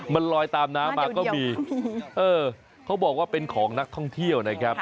มันลอยตามน้ำมาก็มีเออเขาบอกว่าเป็นของนักท่องเที่ยวนะครับ